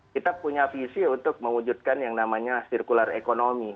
kita punya visi untuk mewujudkan yang namanya circular economy